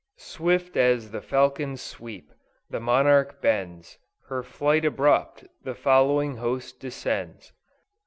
Swift as the falcon's sweep, the monarch bends Her flight abrupt; the following host descends.